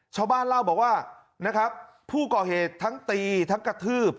ชาวบ้านเล่าบอกว่านะครับผู้ก่อเหตุทั้งตีทั้งกระทืบ